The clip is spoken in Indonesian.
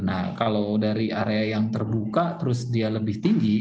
nah kalau dari area yang terbuka terus dia lebih tinggi